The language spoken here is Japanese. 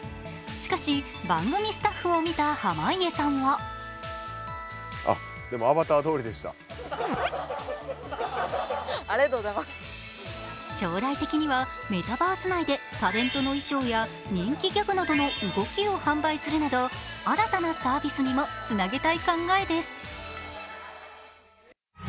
しかし、番組スタッフを見た濱家さんは将来的にはメタバース内でタレントの衣装や人気ギャグなどの動きを販売するなど新たなサービスにもつなげたい考えです。